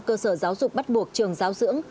cơ sở giáo dục bắt buộc trường giáo dưỡng